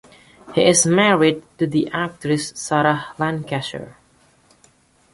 He is married to the actress Sarah Lancashire.